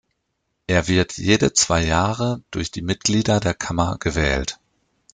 Er wird jede zwei Jahre durch die Mitglieder der Kammer gewählt.